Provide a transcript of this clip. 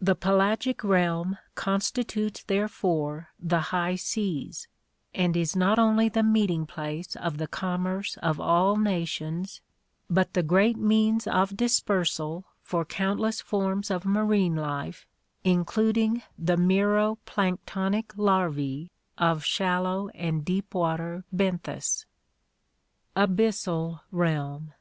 The pelagic realm constitutes therefore the high seas, and is not only the meeting place of the commerce of all na tions but the great means of dispersal for countless forms of marine life, including the mero planktonic larvae of shallow and deep water benthos. Abyssal Realm.